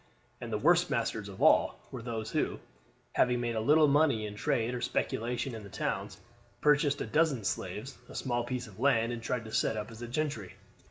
And the worst masters of all were those who, having made a little money in trade or speculation in the towns, purchased a dozen slaves, a small piece of land, and tried to set up as gentry.